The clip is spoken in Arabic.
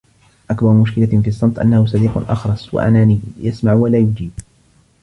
أكبر مشكلة في الصمت أنه صديق أخرس وأناني.. يسمع ولا يجيب.